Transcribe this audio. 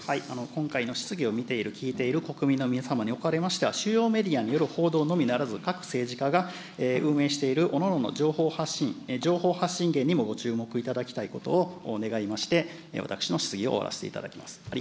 今回の質疑を見ている、聞いている国民の皆様におかれましては、主要メディアのみの報道のみならず、運営しているおのおのの情報発信、情報発信源にもご注目いただきたいことを願いまして、私の質疑を終わらせていただきます。